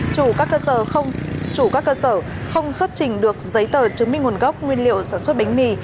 chủ các cơ sở không xuất trình được giấy tờ chứng minh nguồn gốc nguyên liệu sản xuất bánh mì